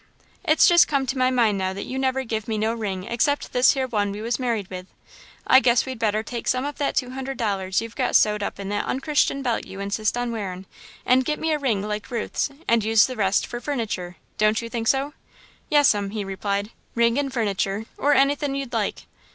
"It's just come to my mind now that you never give me no ring except this here one we was married with. I guess we'd better take some of that two hundred dollars you've got sewed up in that unchristian belt you insist on wearin' and get me a ring like Ruth's, and use the rest for furniture, don't you think so?" "Yes'm," he replied. "Ring and furniture or anythin' you'd like."